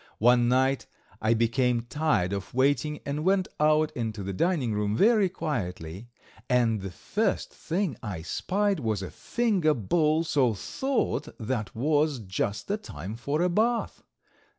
One night I became tired of waiting and went out into the dining room very quietly, and the first thing I spied was a finger bowl, so thought that was just the time for a bath.